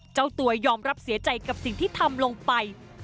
เจ้าตัวยอมรับเสียใจกับสิ่งที่ทำลงไป